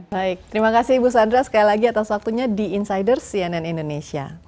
baik terima kasih ibu sandra sekali lagi atas waktunya di insider cnn indonesia